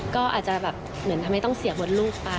ก็อาจจะแบบเหมือนทำให้ต้องเสียงบนลูก